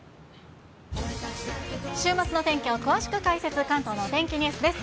週末の天気を詳しく解説、関東のお天気ニュースです。